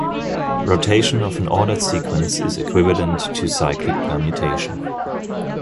Rotation of an ordered sequence is equivalent to cyclic permutation.